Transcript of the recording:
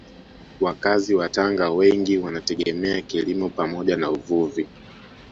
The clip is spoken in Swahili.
Wakazi wa Tanga wengi wanategemea kilimo pamoja na uvuvi